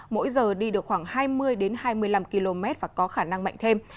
mỗi giờ đi được khoảng hai mươi hai mươi năm km và có khả năng mạnh thêm